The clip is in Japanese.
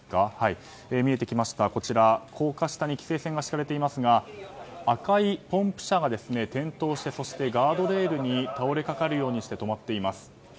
高架下に規制線が敷かれていますが赤いポンプ車が転倒してそして、ガードレールに倒れ掛かるようにして止まっています。